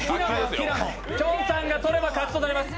きょんさんが取れば勝ちとなります。